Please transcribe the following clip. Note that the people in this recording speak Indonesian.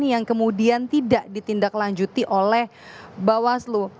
yang kemudian tidak ditindaklanjuti oleh bawaslu